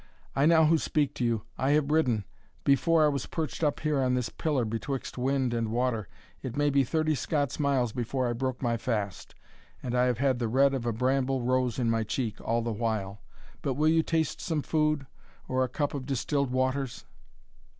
I now who speak to you I have ridden before I was perched up here on this pillar betwixt wind and water it may be thirty Scots miles before I broke my fast, and have had the red of a bramble rose in my cheek all the while But will you taste some food, or a cup of distilled waters?"